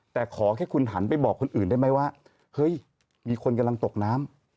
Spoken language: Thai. แต่ขอแค่คุณหันไปบอกคนอื่นได้ไหมว่าเฮ้ยมีคนกำลังตกน้ำ